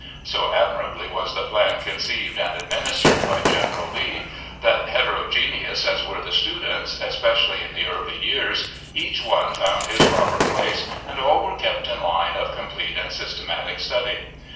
So admirably was the plan 280 AN ADVISER OF YOUNG MEN 281 conceived and administered by General Lee, that, hetero geneous as were the students, especially in the early years, each one fovmd his proper place, and all were kept in line of complete and systematic study.